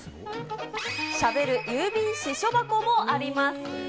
しゃべる郵便私書箱もありま